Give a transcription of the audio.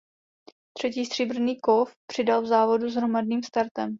Třetí stříbrný kov přidal v závodu s hromadným startem.